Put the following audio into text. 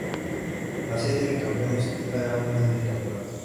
La Serie de campeones es la gran final del campeonato.